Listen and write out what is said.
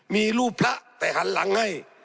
มีรูปพระแต่หันหลังให้